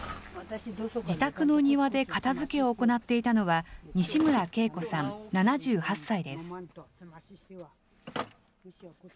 自宅の庭で片づけを行っていたのは、西村恵子さん７８歳です。